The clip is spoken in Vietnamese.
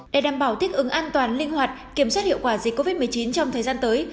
để đảm bảo thích ứng an toàn linh hoạt kiểm soát hiệu quả dịch covid một mươi chín trong thời gian tới